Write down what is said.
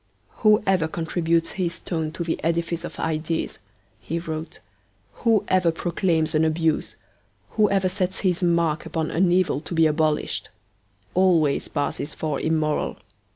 'Whoever contributes his stone to the edifice of ideas,' he wrote, 'whoever proclaims an abuse, whoever sets his mark upon an evil to be abolished, always passes for immoral.